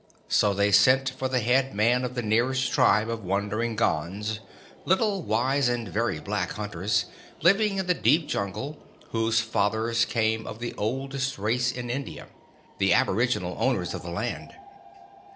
So they sent for the head man of the nearest tribe of wandering Gonds little, wise, and very black hunters, living in the deep Jungle, whose fathers came of the oldest race in India the aboriginal owners of the land.